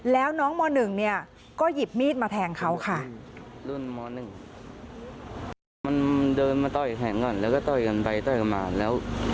แล้วน้องม๑นี่ก็หยิบมีดมาแทงเขาค่ะ